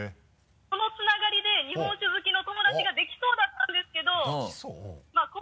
そのつながりで日本酒好きの友達ができそうだったんですけど「できそう」？